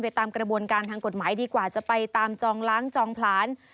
ตามกระบวนการทางกฎหมายดีกว่าจะไปตามจองล้างจองผลาญ